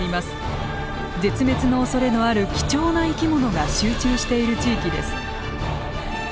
絶滅のおそれのある貴重な生き物が集中している地域です。